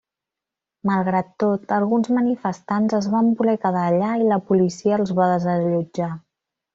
Malgrat tot, alguns manifestants es van voler quedar allà i la policia els va desallotjar.